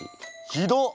ひどっ！